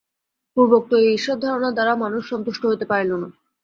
পূর্বোক্ত এই ঈশ্বর-ধারণা দ্বারা মানুষ সন্তুষ্ট হইতে পারিল না।